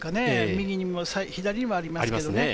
右にも左にもありますね。